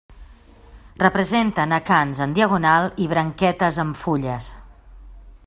Representen acants en diagonal i branquetes amb fulles.